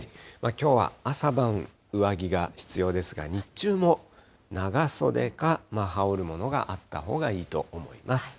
きょうは朝晩、上着が必要ですが、日中も長袖か羽織るものがあったほうがいいと思います。